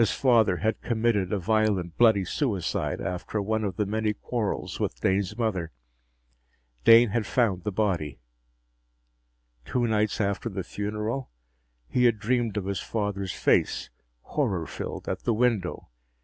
His father had committed a violent, bloody suicide after one of the many quarrels with Dane's mother. Dane had found the body. Two nights after the funeral, he had dreamed of his father's face, horror filled, at the window.